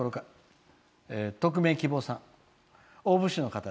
匿名希望さん。